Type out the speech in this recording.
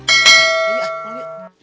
yuk ah pulang yuk